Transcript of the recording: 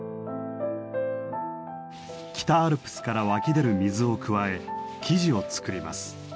北アルプスから湧き出る水を加え生地を作ります。